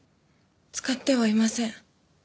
使ってはいません。